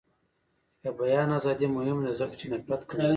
د بیان ازادي مهمه ده ځکه چې نفرت کموي.